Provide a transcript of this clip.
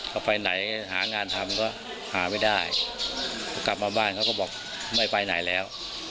ก็ไปไหนหางานทำก็หาไม่ได้กลับมาบ้านเขาก็บอกไม่ไปไหนแล้ว